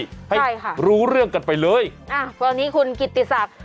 ใช่ค่ะรู้เรื่องกันไปเลยอ่าตอนนี้คุณกิติศักดิ์